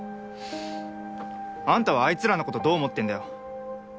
あんたはあいつらの事どう思ってるんだよ？